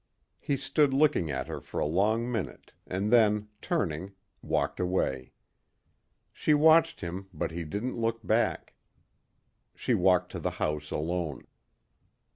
He stood looking at her for a long minute and then turning, walked away. She watched him but he didn't look back. She walked to the house alone.